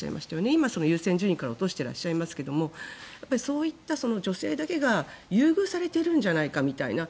今、優先順位から落としていらっしゃいますがそういった女性だけが優遇されているんじゃないかみたいな